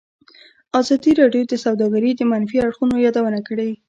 ازادي راډیو د سوداګري د منفي اړخونو یادونه کړې.